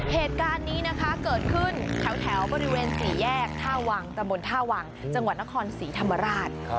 เหตุการณ์นี้เกิดขึ้นแถวบริเวณศรีแยกท่าวังจังหวัดนครศรีธรรมราช